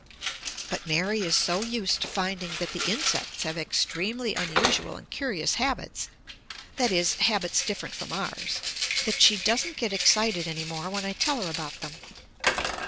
But Mary is so used to finding that the insects have extremely unusual and curious habits that is, habits different from ours that she doesn't get excited any more when I tell her about them.